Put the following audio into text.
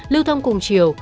lưu thông cùng chiều